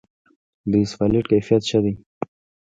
د اسفالټ کیفیت ښه دی؟